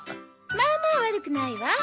まあまあ悪くないわ。